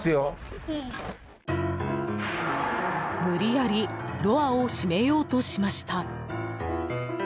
無理やりドアを閉めようとしました。